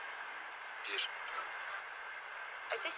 aa kwenye laini ya simu victor abuso nimefanikiwa kumpata john william